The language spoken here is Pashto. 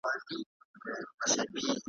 توند بادونه وای توپان وای ,